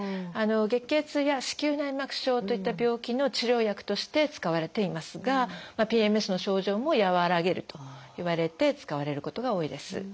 月経痛や子宮内膜症といった病気の治療薬として使われていますがＰＭＳの症状も和らげるといわれて使われることが多いです。